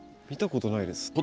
見たことないです。